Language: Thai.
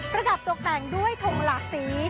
ระดับตกแต่งด้วยทงหลากสี